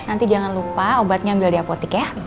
nanti jangan lupa obatnya ambil di apotik ya